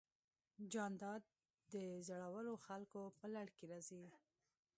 جانداد د زړورو خلکو په لړ کې راځي.